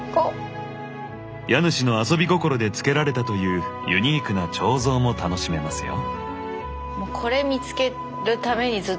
家主の遊び心でつけられたというユニークな彫像も楽しめますよ。